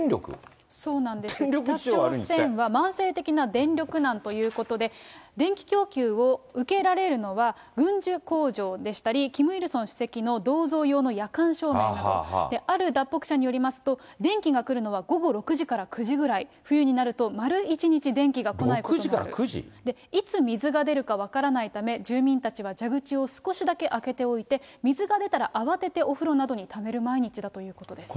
北朝鮮は慢性的な電力難ということで、電気供給を受けられるのは、軍需工場でしたり、キム・イルソン主席の銅像用の夜間照明など、ある脱北者によりますと、電気が来るのは午後６時から９時ぐらい、冬になると丸１日電気が来ないこともある。いつ水が出るか分からないため、住民たちは蛇口を少しだけ開けておいて、水が出たら慌ててお風呂などにためる毎日だということです。